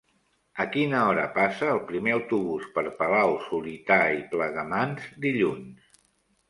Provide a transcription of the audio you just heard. A quina hora passa el primer autobús per Palau-solità i Plegamans dilluns?